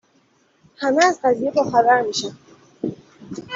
همه از قضیه باخبر میشن